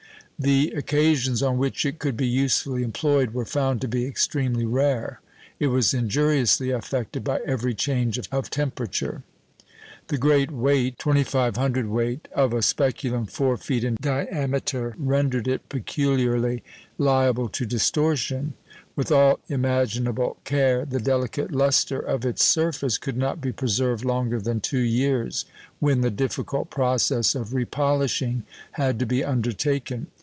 The occasions on which it could be usefully employed were found to be extremely rare. It was injuriously affected by every change of temperature. The great weight (25 cwt.) of a speculum four feet in diameter rendered it peculiarly liable to distortion. With all imaginable care, the delicate lustre of its surface could not be preserved longer than two years, when the difficult process of repolishing had to be undertaken.